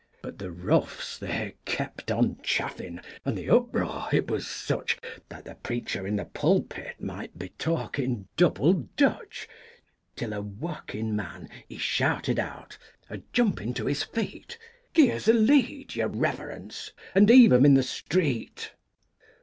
But the roughs they kept on chaffin' and the uproar it was such That the preacher in the pulpit might be talkin' double Dutch, Till a workin' man he shouted out, a jumpin' to his feet, "Give us a lead, your reverence, and heave 'em in the street."